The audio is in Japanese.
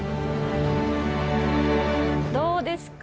どうですか